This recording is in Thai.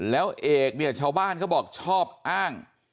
แล้วเอกเนี่ยชาวบ้านเขาบอกชอบอ้าง